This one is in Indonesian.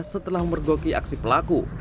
setelah mergoki aksi pelaku